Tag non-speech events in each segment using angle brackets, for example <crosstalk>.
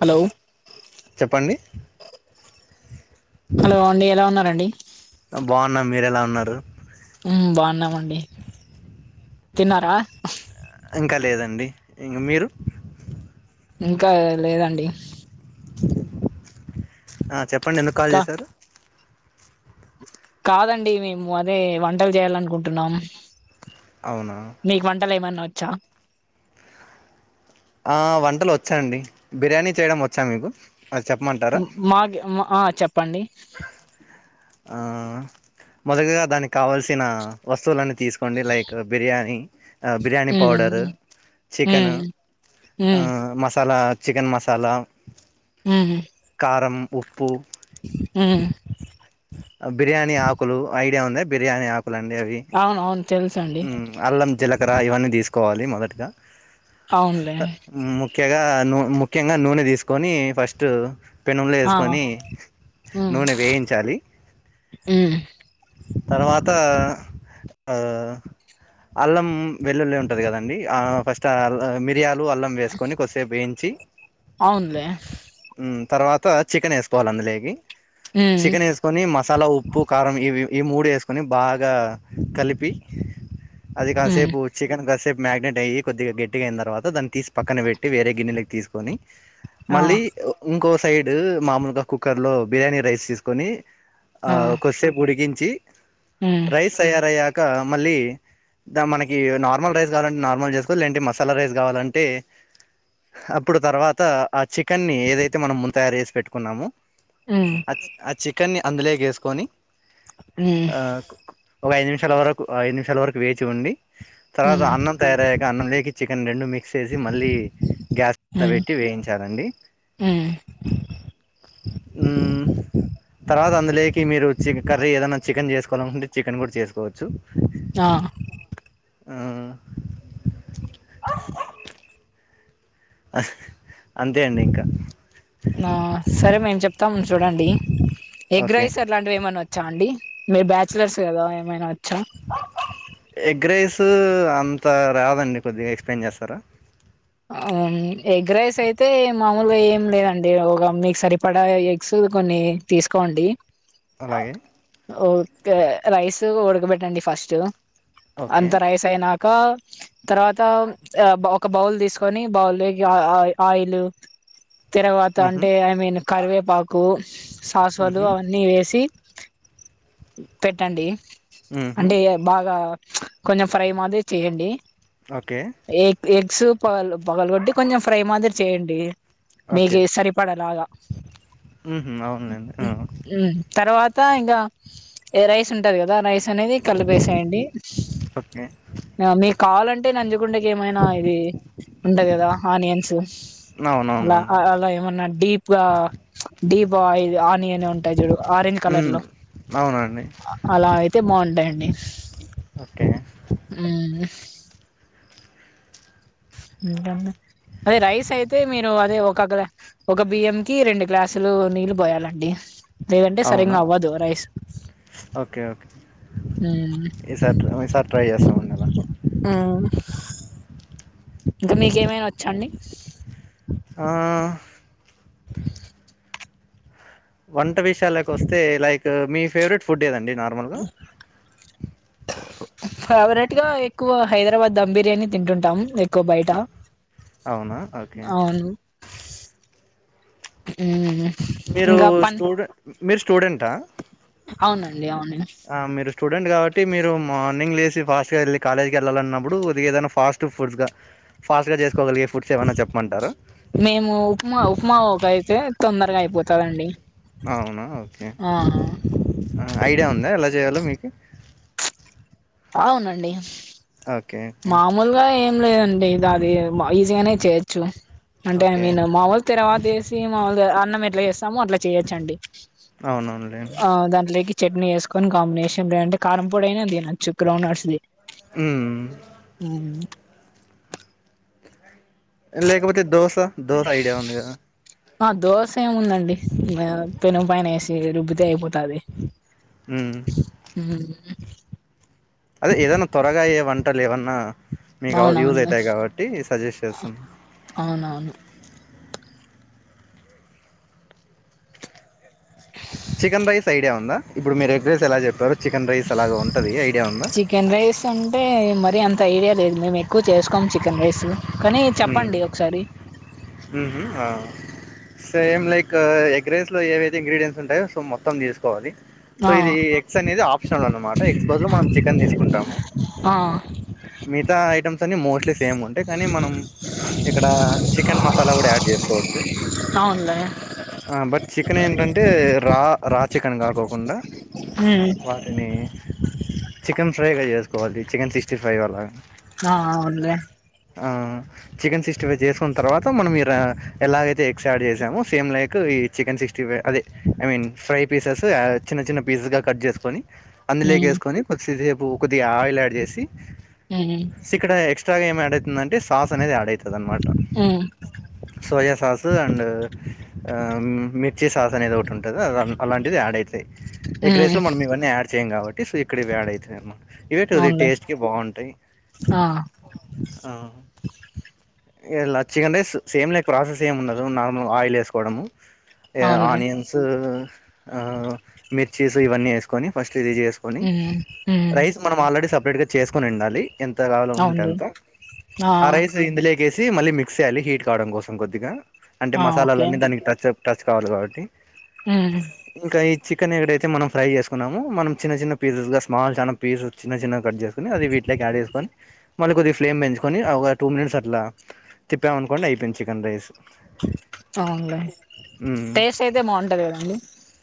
hello చెప్పండి hello అండి ఎలా ఉన్నారండి అ బావున్నాం మీరెలా ఉన్నారు ఉమ్ బావున్నామండి తిన్నారా ఇంకా లేదండి ఇంగ్ మీరు ఇంకా లేదండి ఆ చెప్పండి ఎందు కాల్ కా చేసారు కాదండి మేము అదే వంటల్ జేయాలనుకుంటున్నాం అవునా నీక్ వంటలేమన్నా ఓచ్చా ఆ వంటలోచ్చాండి బిర్యానీ చేయడం ఓచ్చా మీకు అ చెప్మంట ఉం మాకి ఆ చెప్పండి ఆ మాదేగ్గ దానికి కావాల్సిన వస్తువులన్ని తీసుకోండి లైక్ బిర్యానీ అ బిర్యానీ మ్మ్ పౌడరు చికెను మ్మ్ ఆ మ్మ్ మసాల చికెన్ మసాలా ఉహూ కారం ఉప్పు ఉహ్ బిర్యానీ ఆకులు ఐడియా ఉందా బిర్యానీ ఆకులండి అవి అవును అవును తెలుసండి ఉ అల్లం జీలకర ఇవన్నీ తీస్కోవాలి మొదటగా అవునులే ముఖ్యగా నూ ముఖ్యంగా నూనె తీస్కొని ఫస్టూ పెనుంళ్లే ఆ ఎస్కొని నూనె వేయించాలి ఉ తర్వాత ఉ అల్లం వెల్లుల్లుంటది కదండి ఆ ఫస్ట్ మిర్యాలు అల్లం వేస్కొని కొద్దిసేపు వేయించి అవునులే తర్వాత చికెనేస్కోవాలి అందులోకి మ్మ్ చికెనేస్ కొని మసాలా ఉప్పు కారం ఇవి ఈ మూడేస్కొని బాగా కలిపి అది మ్మ్ కాసేపు చికెన్ కాసేపు మ్యాగ్నేట్ అయ్యి కొద్దిగా గట్టిగైన తర్వాత దాన్ని తీసి పక్కన పెట్టి వేరే గిన్నెలోకి తీస్కొని ఆ మళ్ళీ ఇంకో సైడ్ మామూల్గా కుక్కర్లో బిర్యానీ రైస్ తీస్కొని ఆ కొదిసేపు ఉడికించి మ్మ్ రైస్ తయారయ్యాక మళ్ళీ ద మనకి నార్మల్ రైస్ కావాలంటే నార్మల్ చేస్కోవాలి లేదంటే మసాలా రైస్ కావాలంటే అప్పుడు తర్వాత ఆ చికెన్ని ఏదైతే మనం ముందు తయారు చేసి పెట్టుకున్నామో ఉ ఆ ఆ చికెన్ని అందులో ఏస్కొని మ్మ్ ఆ ఒక ఐదు నిమిషాల వరకు ఐదు నిమిషాల వరకు వేచి ఉండి తర్వాత మ్మ్ అన్నం తయారయ్యాక అన్నం లోకి చికెన్ రెండు మిక్స్ చేసి మళ్ళీ గ్యాస్ పైనవేట్టి వేయించాలండి ఉ హూ తర్వాత అందులోకి మీరు చి కర్రీ ఏదన్నా చికెన్ చేస్కోవాలనుకుంటే చికెన్ కూడా చేస్కోవచ్చు ఆ ఉ అంతే అండి ఇంకా ఆ సరే మేము చెప్తాం చూడండి ఎగ్ ఓకే రైస్ అ అట్లాంటివేమనా వచ్చా అండి మీరు బ్యాచలర్స్ కదా ఏమైనా ఒచ్చా ఎగ్ రైసూ అంత రాదండి కొద్దిగా ఎక్స్ప్లెయిన్ చేస్తరా ఎగ్ రైసైతే మామూలుగా ఏం లేదండి ఒక మీకు సరిపడా ఎగ్స్ కొన్నీ తీస్కోండి అలాగే ఓగ రైసూ ఉడ్కబెట్టండి ఫస్టు ఓకే అంత రైస్ అయ్నాక తర్వాత ఒక బౌల్ తీస్కో కోని బౌల్లో ‌ఆ‌ ఆ ఆయిల్ తర్వాత ఊహు అంటే ఐ మీన్ కర్వేపాకు సాస్వలు ఊహు అవన్నీ వేసి పెట్టండి ఊహు అంటే బాగా కొంచెం ఫ్రై మాదిరి చేయండి ఓకే ఎగ్ ఎగ్స్ పగల్ పగలగొట్టి కొంచెం ఫ్రై మాదిరి చేయండి మీగి సరిపడేలాగా ఉహు అవును లేండి మ్మ్ తర్వాత ఇంగ రైస్ ఉంటది కదా రైస్ అనేది కలిపేసాయండి ఓకే ఆ మీకు కావాలంటే నంజుకుండేకి ఏమైనా ఇది <unintelligible> ఉండ గదా ఆనియన్స్ అలా అవునవునండి అలా ఏమన్నా డీప్ గ డిప్ ఆయి ఆనియనే ఉంటాయి చూడు ఆరెంజ్ కలర్ ఊమ్ లో అవునండి అలా అయితే బాగుంటాయి అండీ ఓకే ఉం ఇంకా అండి అదే రైస్ అయితే మీరు అదే ఒక ఒక బియ్యం కి రెండు గ్లాసులు నీళ్ళు పోయాలండి లేదంటే సరింగ అవునా అవ్వదు రైస్ ఓకే ఓకే ఈ సార్ ఈ సార్ ట్రై చేస్తా ఉం ఇంకా మీకేమైనా వొచ్చా అండీ ఆ వంట విషయాలకు వొస్తే లైక్ మీ ఫేవరెట్ ఫుడ్ ఏదండి నాక్ ఫేవరెట్ గా ఎక్కువ హైదరాబాద్ ధమ్ బిర్యానీ తింటుంటాం బయట అవునా ఓకే అవును ఉం మీరు స్టూడె మీరు స్టూడెంటా అవునండి అవును ఆ మీరు స్టూడెంట్ కాబట్టి మీరు మార్నింగ్ లేసి ఫాస్ట్గా వెళ్ళి కాలేజీకి వెళ్ళాలన్నప్పుడు ఉదిగేదైనా ఫాస్ట్ ఫుడ్స్గా ఫాస్ట్ గా చేసుకోగలిగే ఫుడ్స్ ఏమైన చెప్పమంటారా మేము ఉప్మా ఉప్మా ఒక అయితే తొందరగా అయిపోతది అండీ అవునా ఓకే ఐడియా ఉందా ఎలా చేయాలో మీకు అవును అండీ ఓకే ఓకే ముూల్ గా ఏం లేదండి ఇది అది ఈజీగానే చేయొచ్చు అంటే ఐ ఓకే మీన్ మావల్ తిర్వాత వేసి మామల్గా అన్నం ఎట్లా చేస్తామో అట్లా చేయొచ్చు అండీ అవునవునులేండి ఆ దాంట్లోకి చట్నీ వేసుకొని కాంబినేషన్ లే అంటే కారం పొడి అయినా తినొచ్చు గ్రౌండ్నట్స్ ధి ఉం ఉం లేకపోతే దోశ దోశ ఐడియా ఉంది కదా ఆ దోశ ఏముందండి పెన్నం పైన వేసి రుబ్బితే అయిపోతాది ఉం ఉం అదే ఏదన్నా త్వరగా ఆయె వంటలు ఏవన్నా మీకు అవ్ యూజ్ అవునవును అవుతాయి కాబట్టి సజెస్ట్ చేస్తున్నాను అవునవును చికెన్ రైస్ ఐడియా ఉందా ఇప్పుడు మీరు ఎగ్ రైస్ ఎలా చెప్పారో చికెన్ రైస్ అలాగా ఉంటది ఐడియా ఉందా చికెన్ రైస్ అంటే మరి అంత ఐడియా లేదు మేము ఎక్కువ చేసుకోము చికెన్ రైసు కానీ చెప్పండి ఒకసారి ఉహు ఆ సేమ్ లైక్ ఎగ్రైస్ లో ఏవైతే ఇంగ్రీడియయంన్ట్స్ ఉంటాయో సో మొత్తం తీసుకోవాలి సో ఆ ఇది ఎగ్స్ అనేది ఆప్షనల్ అనమాట ఎగ్స్ బదులు మనం చికెన్ తీసుకుంటాము ఆ మిగతా ఐటమ్స్ అన్ని మోస్ట్లీ సేమ్ ఉంటాయి కానీ మనం ఇక్కడ చికెన్ మసాలా గుడా యాడ్ చేసుకోవచ్చు అవునులే ఆ బట్ చికెన్ ఏంటంట్ అంటే రా రా చికెన్ కాకోకుండా మ్మ్ వాటిని చికెన్ ఫ్రైగా చేసుకోవాలి చికెన్ సిక్స్టీ ఫ్రైవ్ అలాగ ఆ అవునులే ఆ చికెన్ సిక్స్టీ ఫైవ్ చేసుకున్న తర్వాత మనం మీరు ఎలాగైతే ఎగ్స్ యాడ్ చేసామో సేమ్ లైక్ ఈ చికెన్ సిక్స్టీ ఫైవ్ అదే ఐ మీన్ ఫ్రై పీసెస్ యావ్ చిన్న చిన్న పీసెస్ గా కట్ చేసుకొని అందులేకి ఉమ్ వేసుకొని కొద్దిసేపు కొద్దిగా ఆయిల్ యాడ్ చేసి అవున స్ ఇక్కడ ఎక్స్ స్ట్రా గా ఏం యాడ్ అవుతుందంటే సాస్ అనేది యాడ్ అయితాది అనమాట ఉమ్ సోయా సాస్ అండ్ మిర్చి సాస్ అనేది ఒకటి ఉంటాది అ అలాంటిది యాడ్ అయితుంది ఎగ్ రైస్ ఉమ్ లో మనం ఇవన్నీ యాడ్ చేయాము కాబట్టి సో ఇక్కడ ఇవి యాడ్ అవుతాయి అమ్మా ఇవే టొది అవునులే టేస్ట్ కి బాగుంటాయి ఆ ఆ లచ్చకుంటే సేమ్ లేక ప్రాసెస్ ఏం ఉండదు నార్మల్ ఆయిల్ వేసుకోవడము ఇగ అవునులే ఆనియన్స్ ఆ మిర్చీస్ ఇవన్నీ వేసుకొని ఫస్ట్ ఇది చేసు కొని ఉమ్ ఉమ్ రైస్ మనం ఆల్రెడీ సపరేట్ గా చేసుకొని ఉండాలి ఎంత కావాలో అంటే అవునులే అంత ఆ రైస్ ఇందులేకేసి మళ్ళీ మిక్స్ చేయాలి హీట్ కావడం కోసం కొద్దిగా అంటే ఆ ఓకే మసాలాలన్నీ దానికి టచ్ అప్ టచ్ కావాలే కాబట్టి మ్మ్ ఇంకా ఈ చికెన్ ఎక్కడైతే మనం ఫ్రై చేసుకున్నాము మనం చిన్న చిన్న పీసెస్ గా స్మాల్ చాన పీసెస్ చిన్న చిన్నగా కట్ చేసుకుని అది వీటిలోకి యాడ్ చేసుకొని మళ్ళ కొద్దిగా ఫ్లేమ్ పెంచుకొని ఒక టూ మినిట్స్ అట్లా తిప్పాము అనుకోండి అయిపోయింది చికెన్ రైస్ అవునులే మ్మ్ టేస్ట్ అయితే బాగుంటాది కదండి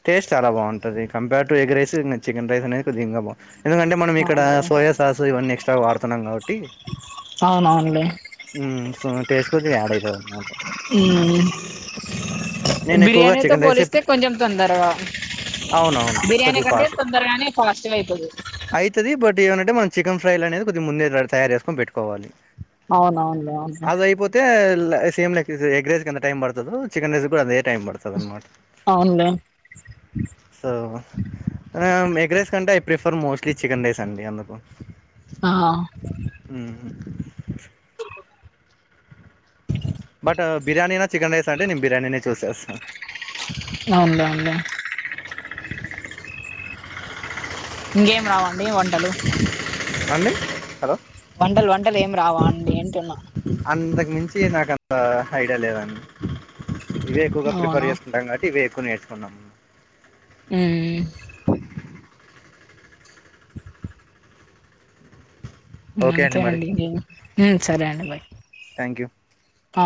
టేస్ట్ చాలా బాగుంటాది కంపేర్ టు ఎగ్ రైస్ ఇంకా చికెన్ రైస్ అనేది కొద్దిగా ఇంగా బా ఎందుకంటే మనం ఇక్కడ అవునులే సోయా సాస్ ఇవన్నీ ఎక్స్ స్ట్రా గా వాడుతున్నాం కాబట్టి అవునవునులే మ్మ్ సో టేస్ట్ కొద్దిగా యాడ్ అయితాది అనమాట ఉను నేను ఎక్కువగా బిర్యానీతో చికెన్ రైసే పోలిస్తే కొంచెం తొందరగా అవునవును బిర్యానీ కొద్దిగా కంటే తొందరగానే ఫాస్ట్ గా అయిపోతాది అయితాది బట్ ఏమనంటే మనం చికెన్ ఫ్రైలు అనేది కొద్దిగా ముందే తయారు చేసుకొని పెట్టుకోవాలి అవునవునులే అవునులే అయితే సేమ్ లైక్ ఎగ్ రైస్ కి ఎంత టైమ్ పడుతాదో చికన్ రైస్ కూడా అదే టైమ్ పడుతు తాది అనమాట అవునులే సో ఆ ఎగ్ రైస్ కంటే I prefer mostly chicken rice అండి అందుకు ఆహవ్ ఉహు బట్ బిర్యానీనా చికెన్ రైస్ అంటే నేన్ బిర్యానీనే చూజ్ చూస్తా మళ్ళా ఉండే ఇంగేం రావండి వంటలు అండి హలో వంటల్ వంటలు ఏం రావ అండి అంటున్న అంతకు మించి నాకు అంత ఐడియా లేదండి ఇవే ఎక్కువగా అవునా ప్రిఫర్ చేసుకుంటాం కాబట్టి ఇవే ఎక్కువ నేర్చుకున్నాము ఉమ్ ఓకే అంతే మరి అండి సరే అండి బయ్ థ్యాంక్యూ ఆ